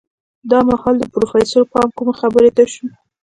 دا مهال د پروفيسر پام کومې خبرې ته شو.